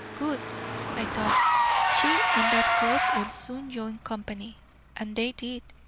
'Good!' thought I, 'she and that cloak will soon join company.' And they did.